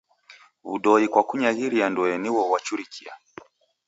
W'udoi kwa kunyaghiria ndoe nigho ghwachurikia.